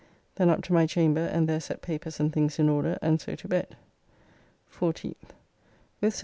Then up to my chamber, and there set papers and things in order, and so to bed. 14th. With Sir W.